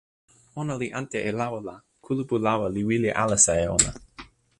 ona li ante e lawa la, kulupu lawa li wile alasa e ona.